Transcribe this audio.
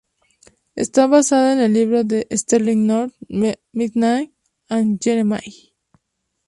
Está basada en el libro de Sterling North "Midnight and Jeremiah".